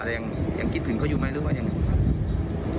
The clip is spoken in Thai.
อาจารย์ยังคิดถึงเขาอยู่ไหมหรือว่ายังไง